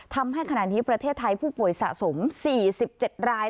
ทำให้ขณะนี้ประเทศไทยผู้ป่วยสะสม๔๗ราย